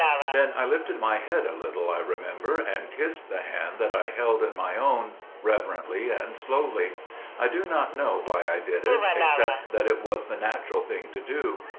"Then I lifted my head a little, I remember, and kissed the hand that I held in my own, reverently and slowly. I do not know why I did it, except that it was the natural thing to do.